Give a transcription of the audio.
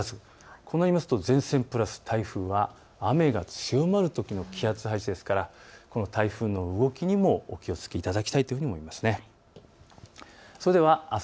こうなりますと前線プラス台風は雨が強まるときの気圧配置ですから台風の動きにもお気をつけいただきたいと思います。